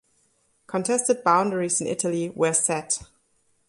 Contested boundaries in Italy were set.